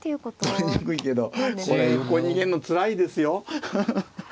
取りにくいけどこれ横に逃げるのつらいですよ。